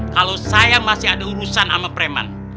kalau saya masih ada urusan sama preman